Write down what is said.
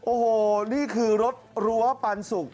โอ้โหนี่คือรถรั้วปันสุก